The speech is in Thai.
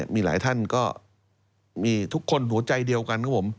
มีหลายท่านทุกคนหัวใจเดียวกัน